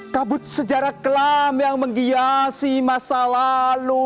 kabut sejarah kelam yang menghiasi masa lalu